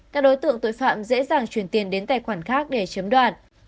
các đối tượng tội phạm dễ dàng chuyển tiền đến tài khoản khác để chiếm đoạt